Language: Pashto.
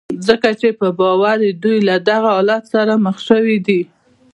ځکه چې په باور يې دوی له دغه حالت سره مخ شوي دي.